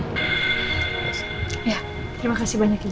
terima kasih banyak ini